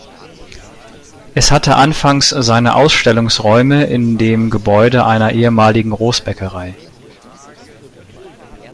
Es hatte anfangs seine Ausstellungsräume in dem Gebäude einer ehemaligen Großbäckerei.